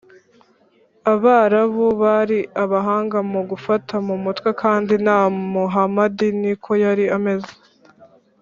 abarabu bari abahanga mu gufata mu mutwe kandi na muhamadi ni ko yari ameze.